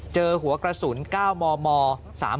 เจอหัวกระสุน๙มม